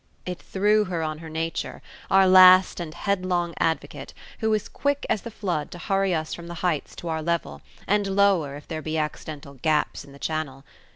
It threw her on her nature, our last and headlong advocate, who is quick as the flood to hurry us from the heights to our level, and lower, if there be accidental gaps in the channel.